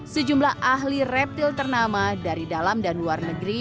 sejumlah ahli reptil ternama dari dalam dan luar negeri